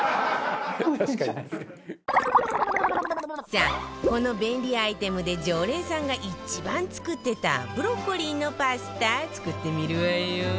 さあこの便利アイテムで常連さんが一番作ってたブロッコリーのパスタ作ってみるわよ